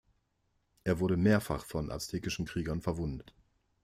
Er wurde mehrfach von aztekischen Kriegern verwundet.